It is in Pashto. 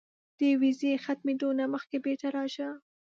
د ویزې ختمېدو نه مخکې بیرته راشه.